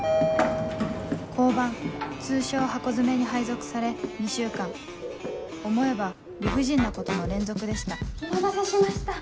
交番通称「ハコヅメ」に配属され２週間思えば理不尽なことの連続でしたお待たせしました。